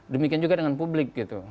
demikian juga dengan publik gitu